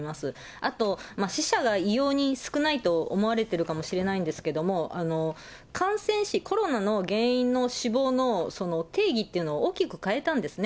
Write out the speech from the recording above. あと、死者が異様に少ないと思われているかもしれないんですけれども、感染死、コロナの原因の死亡の、定義っていうのを大きく変えたんですね。